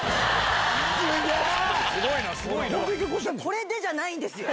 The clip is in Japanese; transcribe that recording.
これでじゃないんですよ！